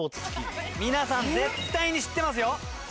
皆さん絶対に知ってますよ。